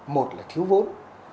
một là thiếu vốn